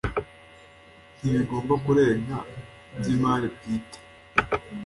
ntibigomba kurenga by imari bwite